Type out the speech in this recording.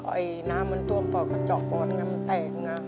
ก็ไอ้น้ำมันท่วมปอดเจาะปอดมันแตกนะ